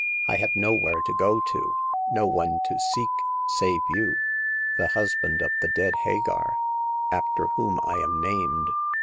I have nowhere to go to, no one to seek, save you, the husband of the dead Hagar, after whom I am named.